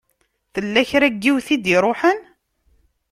Tella kra n yiwet i d-iṛuḥen?